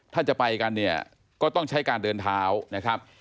ถ้าจะไปกันเนี่ยก็ต้องใช้การเดินเท้านะครับ